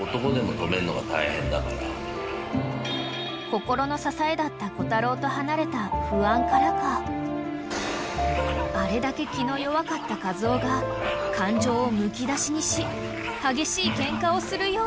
［心の支えだったコタロウと離れた不安からかあれだけ気の弱かったカズオが感情をむき出しにし］